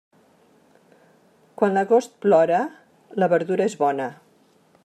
Quan l'agost plora, la verdura és bona.